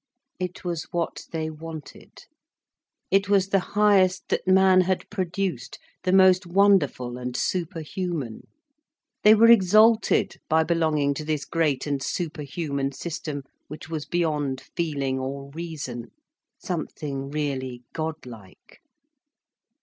It was what they wanted. It was the highest that man had produced, the most wonderful and superhuman. They were exalted by belonging to this great and superhuman system which was beyond feeling or reason, something really godlike.